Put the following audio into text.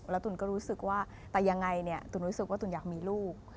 แล้วตุ๋นก็รู้สึกว่าแต่ยังไงเนี่ยตุ๋นรู้สึกว่าตุ๋นอยากมีลูก